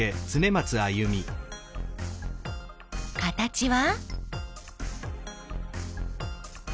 形は？